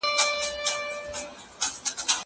زه پرون چايي څښم!